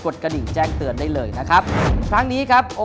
เด้งชกอะไรกัน